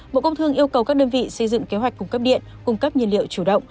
bộ công thương yêu cầu các đơn vị xây dựng kế hoạch cung cấp điện cung cấp nhiên liệu chủ động